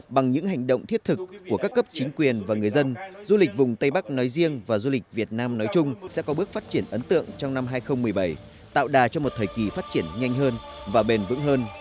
bằng những hành động thiết thực của các cấp chính quyền và người dân du lịch vùng tây bắc nói riêng và du lịch việt nam nói chung sẽ có bước phát triển ấn tượng trong năm hai nghìn một mươi bảy tạo đà cho một thời kỳ phát triển nhanh hơn và bền vững hơn